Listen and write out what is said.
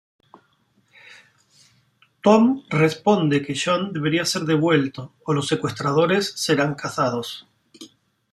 Tom responde que Sean debería ser devuelto o los secuestradores serán cazados.